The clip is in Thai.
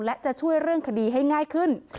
และจะช่วยเรื่องคดีให้ง่ายขึ้น